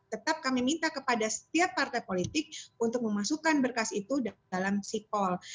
tetap kami minta kepada setiap partai politik untuk memasukkan berkas itu dalam sipol